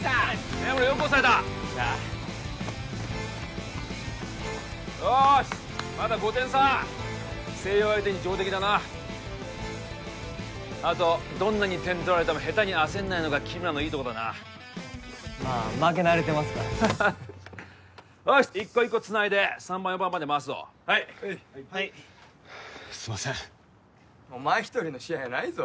根室よく抑えた・よっしゃよしまだ５点差星葉相手に上出来だなあとどんなに点取られてもヘタに焦んないのが君らのいいとこだなまあ負け慣れてますからよし一個一個つないで３番４番まで回すぞ・はい・はいすんませんお前一人の試合やないぞ